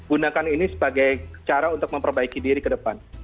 gunakan ini sebagai cara untuk memperbaiki diri ke depan